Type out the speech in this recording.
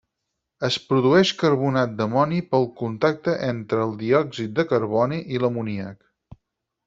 Es produeix carbonat d'amoni pel contacte entre el diòxid de carboni i l'amoníac.